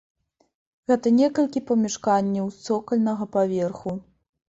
Гэта некалькі памяшканняў цокальнага паверху.